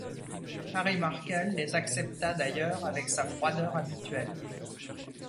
Harry Markel les accepta, d’ailleurs, avec sa froideur habituelle.